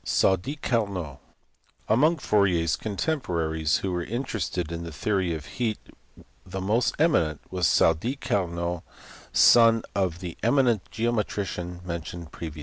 Sadi Carnot*. Among Fourier s contemporaries who were interested in the theory of heat the most eminent was Sadi Carnot, a son of the eminent geometrician mentioned above.